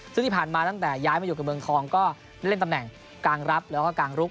ซึ่งที่ผ่านมาตั้งแต่ย้ายมาอยู่กับเมืองทองก็เล่นตำแหน่งกลางรับแล้วก็กางลุก